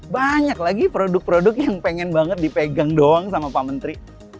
banyak lagi produk produk yang pengen banget dipegang doang sama pak menteri